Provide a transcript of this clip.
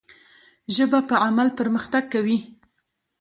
ژبه په عمل پرمختګ کوي.